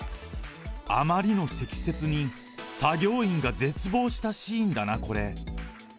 あまりの積雪に作業員が絶望したシーンだな、これ。